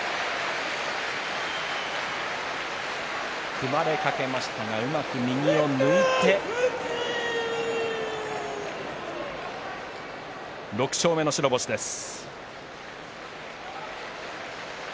組まれかけましたがうまく右を抜いて６勝目の白星です。